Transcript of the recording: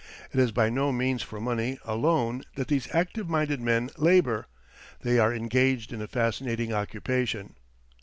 It is by no means for money alone that these active minded men labour they are engaged in a fascinating occupation.